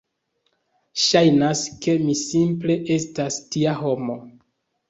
Ŝajnas, ke mi simple estas tia homo.